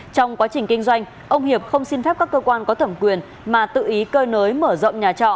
trong quá trình kinh doanh ông hiệp không xin phép các cơ quan có thẩm quyền mà tự ý cơi nới mở rộng nhà trọ